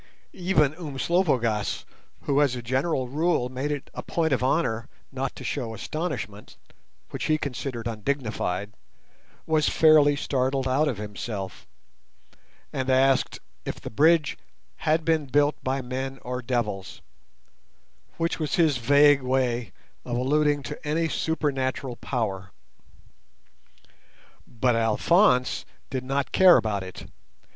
Even Umslopogaas, who as a general rule made it a point of honour not to show astonishment, which he considered undignified, was fairly startled out of himself, and asked if the "bridge had been built by men or devils", which was his vague way of alluding to any supernatural power. But Alphonse did not care about it.